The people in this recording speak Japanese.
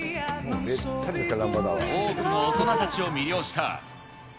多くの大人たちを魅了した。